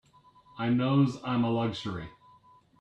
I knows I'm a luxury.